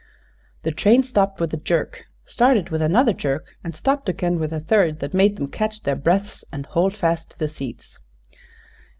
The train stopped with a jerk, started with another jerk, and stopped again with a third that made them catch their breaths and hold fast to the seats.